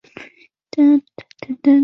滇缅短尾鼩被发现在中国和缅甸。